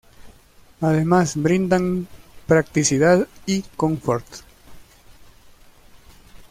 Además brindan practicidad y confort.